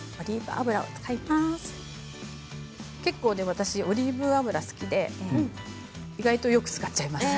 結構、私オリーブ油が好きで意外とよく使っちゃいます。